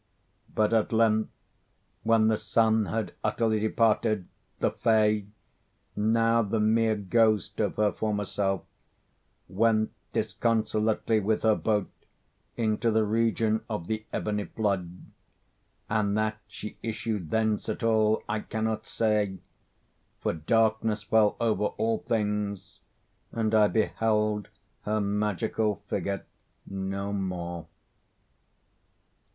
But at length when the sun had utterly departed, the Fay, now the mere ghost of her former self, went disconsolately with her boat into the region of the ebony flood—and that she issued thence at all I cannot say, for darkness fell over all things and I beheld her magical figure no more.